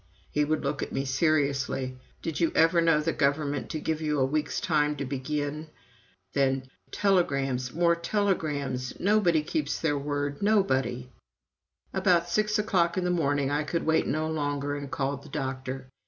He would look at me seriously. "Did you ever know the Government to give you a week's time to begin?" Then, "Telegrams more telegrams! Nobody keeps their word, nobody." About six o'clock in the morning I could wait no longer and called the doctor.